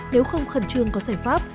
nếu không khẩn trương có sản pháp